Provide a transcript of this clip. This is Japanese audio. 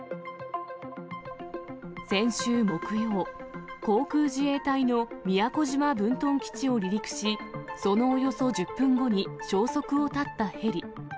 先週木曜、航空自衛隊の宮古島分屯基地を離陸し、そのおよそ１０分後に消息を絶ったヘリ。